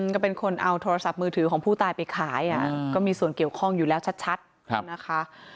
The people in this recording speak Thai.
ก็เป็นคนเอาโทรศัพท์มือถือของผู้ตายไปขายก็มีส่วนเกี่ยวข้องอยู่แล้วชัดนะคะ